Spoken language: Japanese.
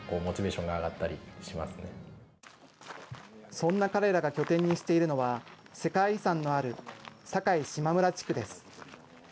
そんな彼らが拠点にしているのは、世界遺産のある境島村地区です。